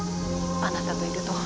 あなたといると。